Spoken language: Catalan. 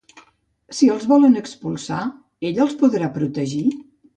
Si els volen expulsar, ell els podrà protegir?